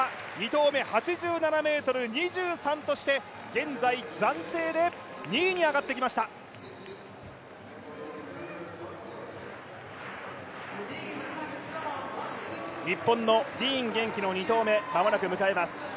２投目８７ｍ２３として現在暫定で２位に上がってきました日本のディーン元気の２投目、まもなく迎えます。